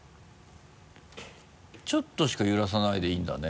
ちょっとしか揺らさないでいいんだね。